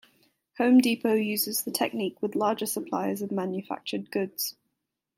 Home Depot uses the technique with larger suppliers of manufactured goods.